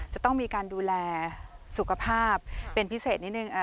จะต้องมีการดูแลสุขภาพเป็นพิเศษนิดนึง